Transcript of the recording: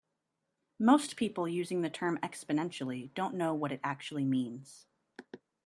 Most people using the term "exponentially" don't know what it actually means.